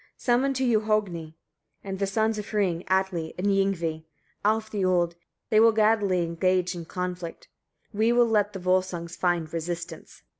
51. Summon to you Hogni, and the sons of Hring, Atli and Yngvi, Alf the old; they will gladly engage in conflict. We will let the Volsungs find resistance."